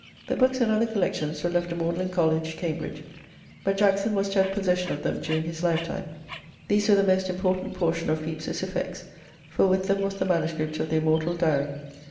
The books and other collections were left to Magdalene College, Cambridge, but Jackson was to have possession of them during his lifetime. These were the most important portion of Pepys's effects, for with them was the manuscript of the immortal Diary.